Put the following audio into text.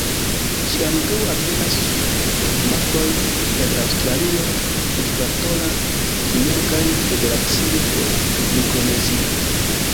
Ĝi ankaŭ aperas sur poŝtmarkoj el Aŭstralio, Ekvatora Gvineo kaj Federacio de Mikronezio.